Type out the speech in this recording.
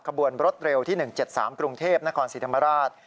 ขบวนรถเร็วที่๑๗๓กรุงเทพนครศรีธรรมราช